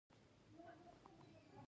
هیڅوک لیدلای نه شي